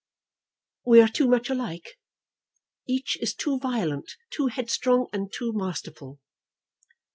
"We are too much alike. Each is too violent, too headstrong, and too masterful."